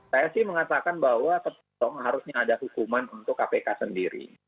saya sih mengatakan bahwa harusnya ada hukuman untuk kpk sendiri